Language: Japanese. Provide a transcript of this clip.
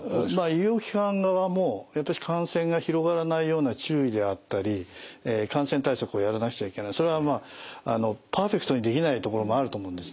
医療機関側もやっぱり感染が広がらないような注意であったり感染対策をやらなくちゃいけないそれはまあパーフェクトにできない所もあると思うんですね。